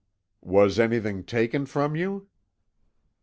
"Was anything taken from you?"